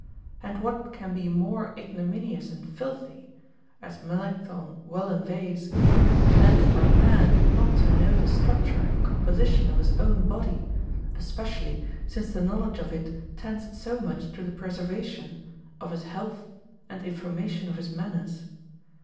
And what can be more ignominious and filthy (as Melancthon well inveighs) than for a man not to know the structure and composition of his own body, especially since the knowledge of it tends so much to the preservation, of his health, and information of his manners?